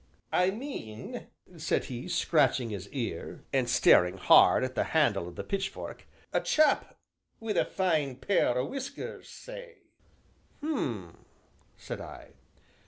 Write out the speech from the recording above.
"I mean," said he, scratching his ear, and staring hard at the handle of the pitchfork, "a chap wi' a fine pair o' whiskers, say." "Hum!" said I.